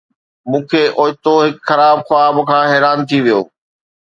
مون کي اوچتو هڪ خراب خواب کان حيران ٿي ويو